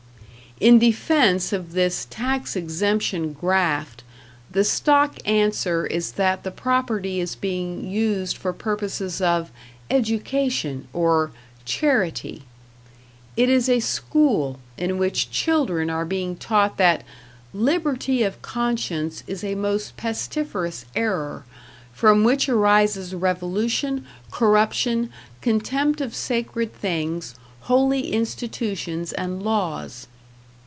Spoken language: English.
In defense of this tax exemption graft, the stock answer is that the property is being used for purposes of "education" or "charity". It is a school, in which children are being taught that "liberty of conscience is a most pestiferous error, from which arises revolution, corruption, contempt of sacred things, holy institutions, and laws."